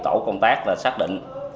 tổ công tác đã xác định